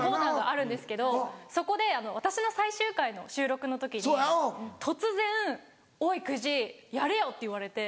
あるんですけどそこで私の最終回の収録の時に突然「おい久慈やれよ」って言われて。